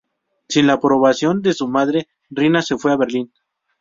Sin la aprobación de su madre, Rina se fue a Berlín.